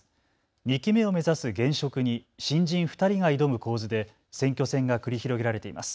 ２期目を目指す現職に新人２人が挑む構図で選挙戦が繰り広げられています。